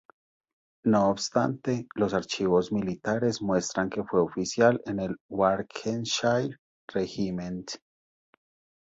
No obstante, los archivos militares muestran que fue oficial en el Warwickshire Regiment.